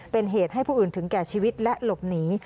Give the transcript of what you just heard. เป็นเหตุให้ผู้อื่นถึงแก่ชีวิตและหลบหนี